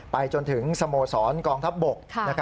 จนถึงสโมสรกองทัพบก